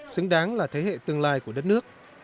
xứng đáng là thế hệ tương lai của đất nước